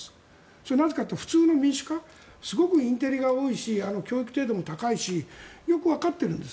それはなぜかというと普通の民主化、インテリが多いし教育程度も高いしよくわかっているんです。